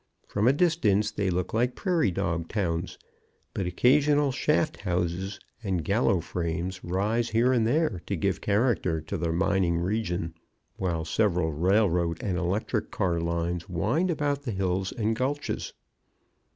From a distance they look like prairie dog towns, but occasional shaft houses and gallows frames rise here and there to give character to the mining region, while several railroad and electric car lines wind about the hills and gulches.